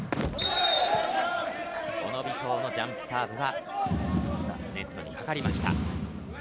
尾藤のジャンプサーブはネットにかかりました。